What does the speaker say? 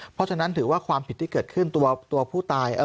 เพราะฉะนั้นถือว่าความผิดที่เกิดขึ้นตัวผู้ตาย